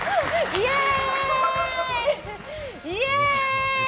イエーイ！